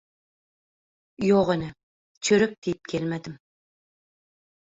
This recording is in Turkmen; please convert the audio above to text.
- Ýok ene, çörek diýip gelmedim.